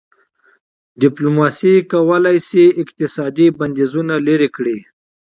ډيپلوماسي کولای سي اقتصادي بندیزونه لېرې کړي.